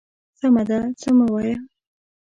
_سمه ده، څه مه وايه.